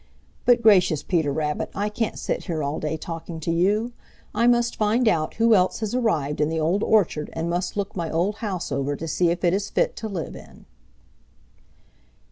But gracious, Peter Rabbit, I can't sit here all day talking to you! I must find out who else has arrived in the Old Orchard and must look my old house over to see if it is fit to live in."